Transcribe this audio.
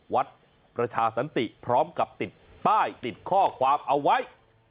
วัดประชาสันติพร้อมกับติดป้ายติดข้อความเอาไว้